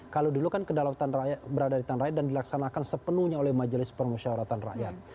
kalau dulu kan kedalautan berada di tangan rakyat dan dilaksanakan sepenuhnya oleh majelis permusyawaratan rakyat